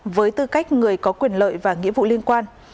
với tư cách người có quyền lợi và nghĩa vụ liên quan